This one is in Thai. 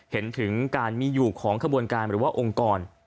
เห็นถึงการมีอยู่ของขบวนการหรือว่าองค์กร